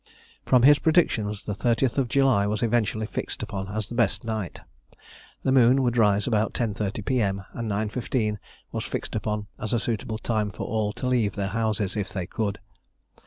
From his predictions, the 30th July was eventually fixed upon as the best night. The moon would rise about 10.30 P.M., and 9.15 was fixed upon as a suitable time for all to leave their houses if they could.